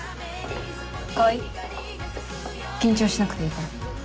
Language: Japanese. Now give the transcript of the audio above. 川合緊張しなくていいから。